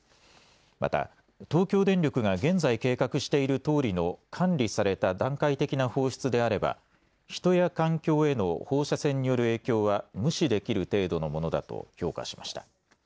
また東京電力が現在、計画しているとおりの管理された段階的な放出であれば人や環境への放射線による影響は無視できる程度のものだと評価しました。